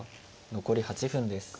残り８分です。